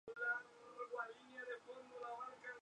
El video musical está dirigido por Bernardo Santini.